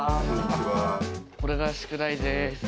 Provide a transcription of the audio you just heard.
これが宿題です。